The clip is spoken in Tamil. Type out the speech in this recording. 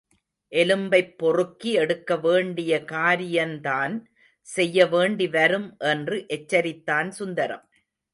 எலும்பைப் பொறுக்கி எடுக்க வேண்டிய காரியந்தான் செய்ய வேண்டி வரும் என்று எச்சரித்தான் சுந்தரம்.